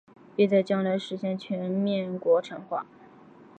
并在将来实现全面国产化。